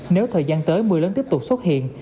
nếu thời gian tới mưa lớn tiếp tục xuất hiện